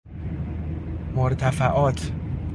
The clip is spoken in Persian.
مرتفعات